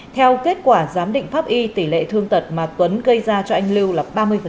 theo kết quả giám định pháp y tỷ lệ thương tật mà tuấn gây ra cho anh lưu là ba mươi